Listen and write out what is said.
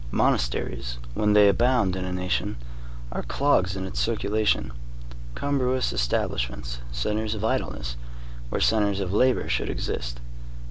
Monasteries, when they abound in a nation, are clogs in its circulation, cumbrous establishments, centres of idleness where centres of labor should exist.